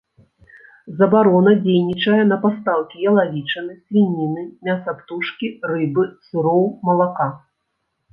Забарона дзейнічае на пастаўкі ялавічыны, свініны, мяса птушкі, рыбы, сыроў, малака.